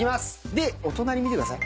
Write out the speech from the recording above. でお隣見てください。